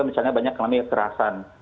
misalnya banyak kelamin kerasan